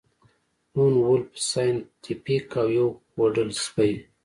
لون وولف سایینټیفیک او یو پوډل سپی